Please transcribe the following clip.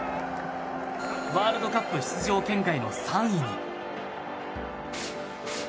ワールドカップ出場圏外の３位に。